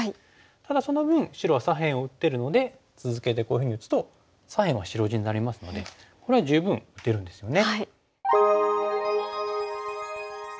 ただその分白は左辺を打ってるので続けてこういうふうに打つと左辺は白地になりますのでこれは十分打てるんですよね。